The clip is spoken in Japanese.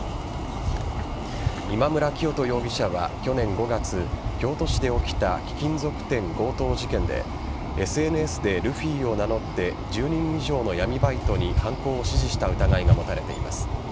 今村磨人容疑者は去年５月京都市で起きた貴金属店強盗事件でＳＮＳでルフィを名乗って１０人以上の闇バイトに犯行を指示した疑いが持たれています。